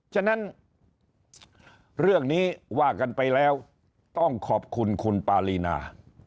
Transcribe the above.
ฉะนั้นเรื่องนี้ว่ากันไปแล้วต้องขอบคุณคุณปารีนา